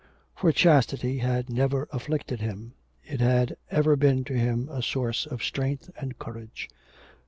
For chastity had never afflicted him; it had ever been to him a source of strength and courage.